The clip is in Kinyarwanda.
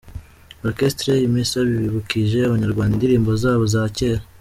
Orchestre Impesa bibukije abanyarwanda indirimbo zabo za kera.